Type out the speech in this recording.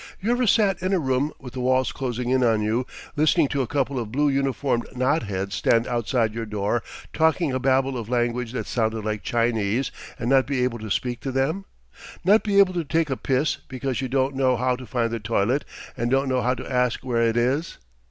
You ever sat in a room, with the walls closing in on you, listening to a couple of blue uniformed knotheads stand outside your door talking a babble of language that sounded like Chinese, and not be able to speak to them? Not be able to take a piss because you don't know how to find the toilet and don't know how to ask where it is?